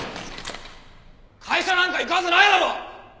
会社なんか行くはずないだろ！